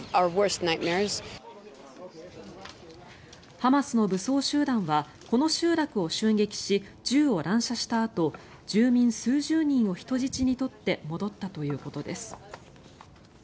ハマスの武装集団はこの集落を襲撃し銃を乱射したあと住民数十人を人質に取って戻ったということです。